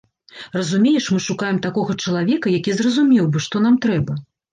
Разумееш, мы шукаем такога чалавека, які зразумеў бы, што нам трэба.